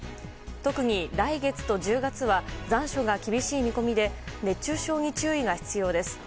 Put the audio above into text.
特に来月と１０月は残暑が厳しい見込みで熱中症に注意が必要です。